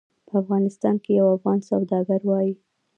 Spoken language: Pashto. په افغانستان کې یو افغان سوداګر وایي.